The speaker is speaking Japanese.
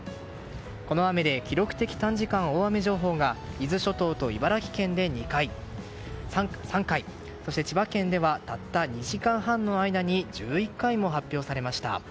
この雨で記録的短時間大雨情報が伊豆諸島と茨城県で３回そして、千葉県ではたった２時間半の間に１１回も発表されました。